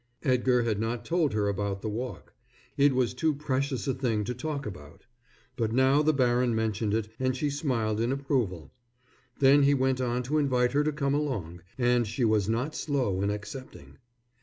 Edgar had not told her about the walk. It was too precious a thing to talk about. But now the baron mentioned it and she smiled in approval. Then he went on to invite her to come along, and she was not slow in accepting.